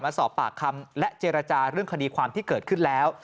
สอบปากคำและเจรจาเรื่องคดีความที่เกิดขึ้นแล้ว